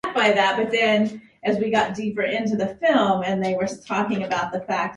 Funding for the dig was provided by Historic Scotland and the University of Southampton.